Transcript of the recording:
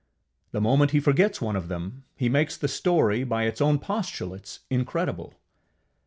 The moment he forgets one of them, he makes the story, by its own postulates, incredible.